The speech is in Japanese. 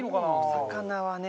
お魚はね